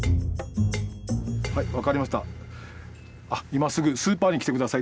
はい分かりました。